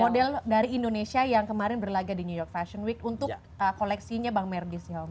model dari indonesia yang kemarin berlagak di new york fashion week untuk koleksinya bang merdie siho